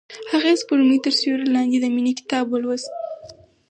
هغې د سپوږمۍ تر سیوري لاندې د مینې کتاب ولوست.